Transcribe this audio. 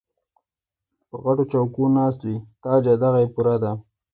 پۀ غټو چوکــــو ناست وي تاجه دغه یې پوره ده